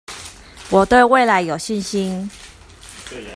我對未來有信心